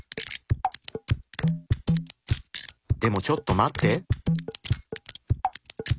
でもちょっと待って。